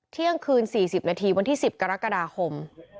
เที่ยงคืน๔๐นาทีวันที่๑๐กรกฎาคม